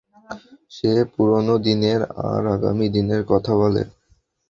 সে পুরনোদিনের আর আগামীদিনের কথা বলে।